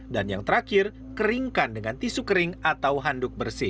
dan yang terakhir keringkan dengan tisu kering atau handuk bersih